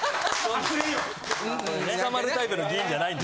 捕まるタイプの議員じゃないんで。